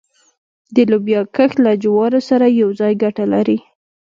د لوبیا کښت له جوارو سره یوځای ګټه لري؟